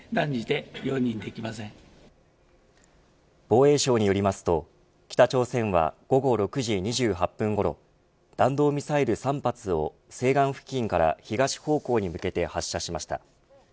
防衛省によりますと北朝鮮は午後６時２８分ごろ弾道ミサイル３発を西岸付近から東方向に向けて発射しました。